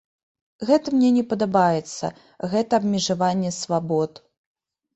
Гэта мне не падабаецца, гэта абмежаванне свабод.